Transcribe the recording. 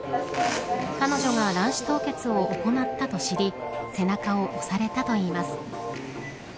彼女が卵子凍結を行ったと知り背中を押されたといいます。